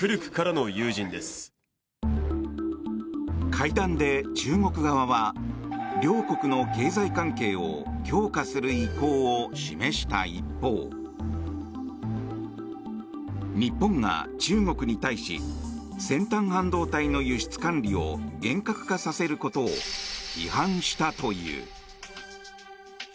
会談で中国側は両国の経済関係を強化する意向を示した一方日本が中国に対し先端半導体の輸出管理を厳格化させることを批判したという。